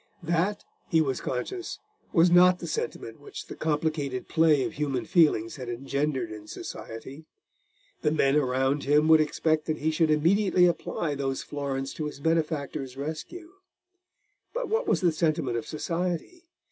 That, he was conscious, was not the sentiment which the complicated play of human feelings had engendered in society. The men around him would expect that he should immediately apply those florins to his benefactor's rescue. But what was the sentiment of society?